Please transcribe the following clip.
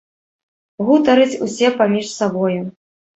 Гутараць усе паміж сабою.